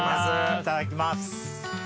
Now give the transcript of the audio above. いただきます。